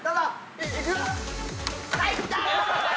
いくよ。